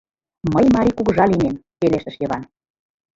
— Мый марий кугыжа лийнем, — пелештыш Йыван.